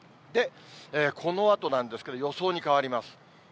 このあとなんですけど、予想に変わります。